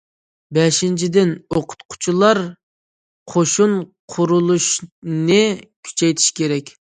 بەشىنچىدىن، ئوقۇتقۇچىلار قوشۇن قۇرۇلۇشىنى كۈچەيتىش كېرەك.